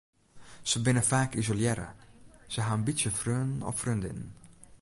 Se binne faak isolearre, se ha in bytsje freonen of freondinnen.